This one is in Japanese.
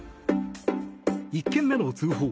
１件目の通報